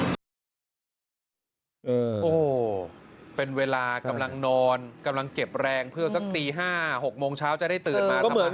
โอ้โหเป็นเวลากำลังนอนกำลังเก็บแรงเพื่อสักตี๕๖โมงเช้าจะได้ตื่นมาทำงาน